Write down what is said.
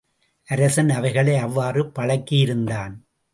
அரசன் அவைகளை அவ்வாறு பழக்கியிருந்தான்.